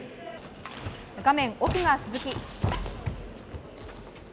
画面奥が鈴木。